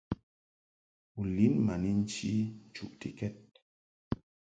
U lin ma ni nchi nchuʼtikɛd.